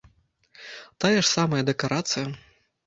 Тая ж самая дэкарацыя.